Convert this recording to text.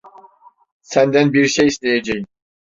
Senden bir şey isteyeceğim.